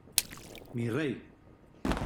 ¡ mi rey!...